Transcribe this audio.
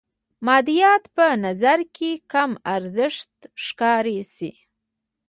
مادیات په نظر کې کم ارزښته ښکاره شي.